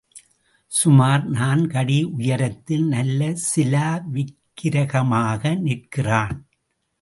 சுமார் நான்கு அடி உயரத்தில் நல்ல சிலா விக்கிரகமாக நிற்கிறான்.